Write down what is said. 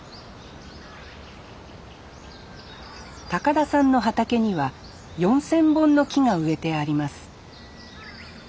田さんの畑には４，０００本の木が植えてあります